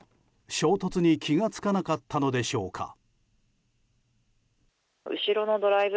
衝突に気が付かなかったのでしょうか。